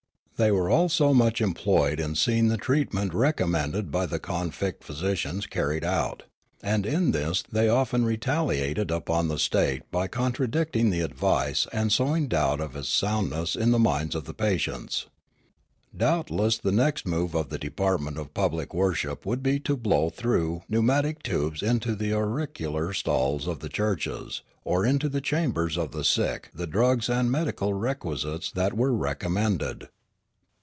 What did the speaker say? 9^ Riallaro They were also much employed in seeing the treatment recommended by the convict physicians carried out ; and in this they often retaliated upon the state by con tradicting the advice and sowing doubt of its soundness in the minds of the patients. Doubtless the next move of the department of public worship would be to blow through pneumatic tubes into the auricular stalls of the churches, or into the chambers of the sick the drugs and medical requisites that were recommended.